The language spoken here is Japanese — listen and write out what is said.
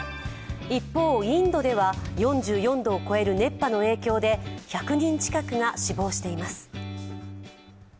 一方、インドでは４４度を超える熱波の影響で１００人近くが死亡しています。